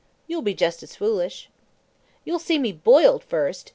You'll be just as foolish.' 'You'll see me boiled first!'